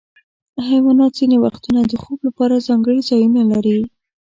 حیوانات ځینې وختونه د خوب لپاره ځانګړي ځایونه لري.